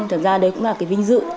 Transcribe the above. nhưng thật ra đấy cũng là cái vinh dự